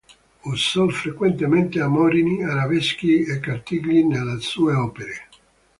Usò frequentemente amorini, arabeschi e cartigli nelle sue opere.